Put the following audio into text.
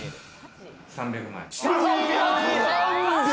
３００万円。